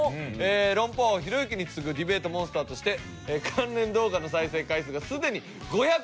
論破王ひろゆきに次ぐディベートモンスターとして関連動画の再生回数がすでに５００万回以上！